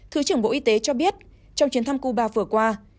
thứ trưởng bộ y tế cho biết trong chuyến thăm cuba vừa qua